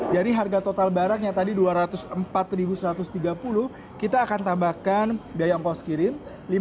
dari harga total barangnya tadi dua ratus empat satu ratus tiga puluh kita akan tambahkan biaya ongkos kirim lima puluh empat delapan ratus